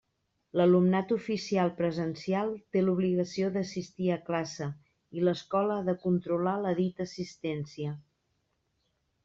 L'alumnat oficial presencial té l'obligació d'assistir a classe i l'escola ha de controlar la dita assistència.